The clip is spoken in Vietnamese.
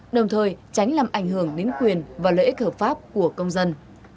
đồng thời tránh làm ảnh hưởng đến quyền và lợi ích hợp pháp của công dân